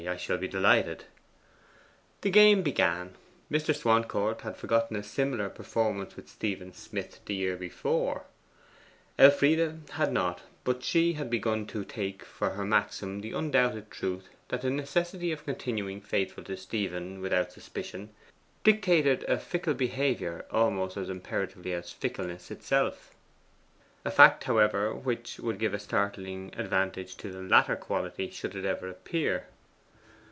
I shall be delighted.' The game began. Mr. Swancourt had forgotten a similar performance with Stephen Smith the year before. Elfride had not; but she had begun to take for her maxim the undoubted truth that the necessity of continuing faithful to Stephen, without suspicion, dictated a fickle behaviour almost as imperatively as fickleness itself; a fact, however, which would give a startling advantage to the latter quality should it ever appear.